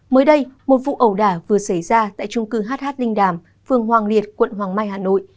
mới đây một vụ ẩu đả vừa xảy ra tại trung cư hh linh đàm phường hoàng liệt quận hoàng mai hà nội